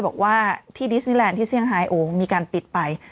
บอกว่าที่ดิสนิแลนด์ที่เซี่ไฮโอมีการปิดไป